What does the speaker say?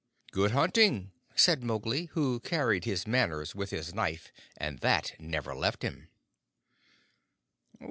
"Good hunting!" said Mowgli, who carried his manners with his knife, and that never left him.